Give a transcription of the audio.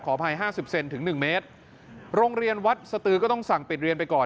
อภัยห้าสิบเซนถึงหนึ่งเมตรโรงเรียนวัดสตือก็ต้องสั่งปิดเรียนไปก่อน